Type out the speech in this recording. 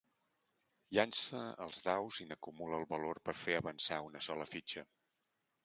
Llança els daus i n'acumula el valor per fer avançar una sola fitxa.